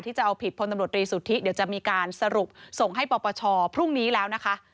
จะเอาผิดพลตำรวจรีสุทธิเดี๋ยวจะมีการสรุปส่งให้ปปชพรุ่งนี้แล้วนะคะ